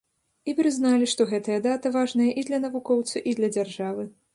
І прызналі, што гэтая дата важная і для навукоўца, і для дзяржавы.